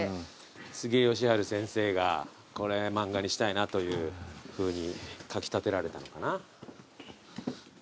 つげ義春先生がこれ漫画にしたいなというふうにかき立てられたのかな。